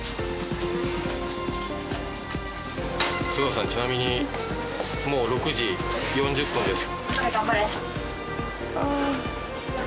数藤さんちなみにもう６時４０分です。